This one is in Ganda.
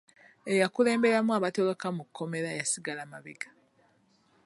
Eyakulemberamu abaatoloka mu kkomera yasigala mabega.